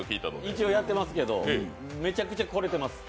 一応やってますけど、めちゃくちゃ来れてます。